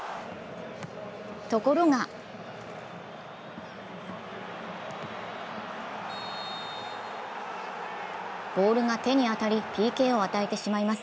ところがボールが手に当たり、ＰＫを与えてしまいます。